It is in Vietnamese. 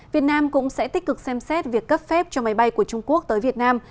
việt nam cũng sẽ tích cực xem xét việc cấp phép cho máy bay của trung quốc tới việt nam